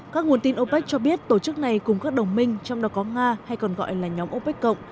các nguồn tin opec cho biết tổ chức này cùng các đồng minh trong đó có nga hay còn gọi là nhóm opec cộng